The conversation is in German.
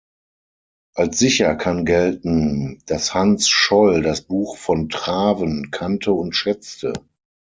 Als sicher kann gelten, dass Hans Scholl das Buch von Traven kannte und schätzte.